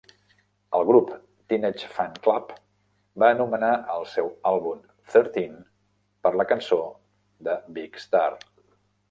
El grup Teenage Fanclub va anomenar el seu àlbum "Thirteen" per la cançó de Big Star.